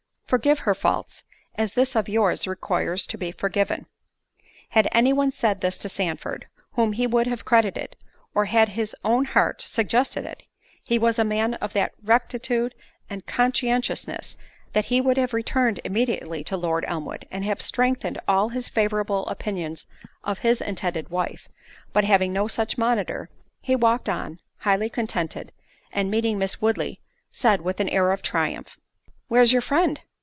forgive her faults, as this of yours requires to be forgiven." Had any one said this to Sandford, whom he would have credited, or had his own heart suggested it, he was a man of that rectitude and conscientiousness, that he would have returned immediately to Lord Elmwood, and have strengthened all his favourable opinions of his intended wife—but having no such monitor, he walked on, highly contented, and meeting Miss Woodley, said, with an air of triumph, "Where's your friend?